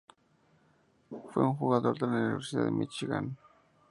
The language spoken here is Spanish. Fue jugador de la Universidad de Míchigan.